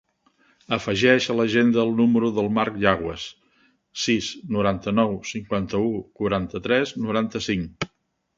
Afegeix a l'agenda el número del Marc Yanguas: sis, noranta-nou, cinquanta-u, quaranta-tres, noranta-cinc.